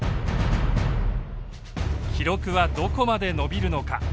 記録はどこまで伸びるのか。